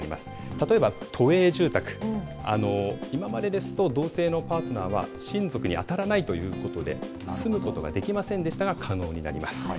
例えば都営住宅、今までですと、同性のパートナーは親族に当たらないということで、住むことができませんでしたが、可能になります。